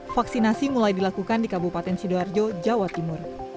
vaksinasi mulai dilakukan di kabupaten sidoarjo jawa timur